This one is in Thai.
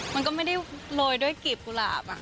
มันก็ไม่ได้โรยด้วยกลีบกุหลาบ